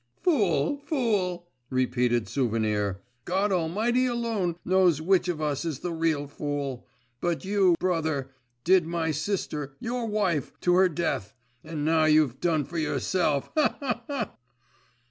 'Fool! fool!' repeated Souvenir. 'God Almighty alone knows which of us is the real fool. But you, brother, did my sister, your wife, to her death, and now you've done for yourself … ha ha ha!